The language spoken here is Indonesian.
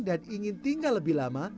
dan ingin tinggal lebih lama